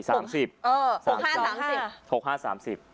๖ห้า๓๐ค่ะ๖ห้า๓๐